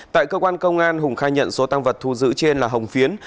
tại cơ quan công an hùng khai nhận số tăng vật thu giữ trên là hồng phiến